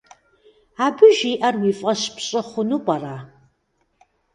Абы жиӏэр уи фӏэщ пщӏы хъуну пӏэрэ?